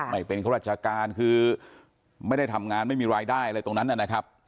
ไม่เป็นข้าราชการคือไม่ได้ทำงานไม่มีรายได้อะไรตรงนั้นนะครับ